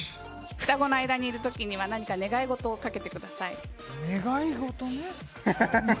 双子の間にいるときには何か願い願い事ね。